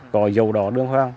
có dầu đỏ đường hoang